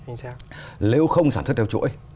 nếu không sản xuất theo chuỗi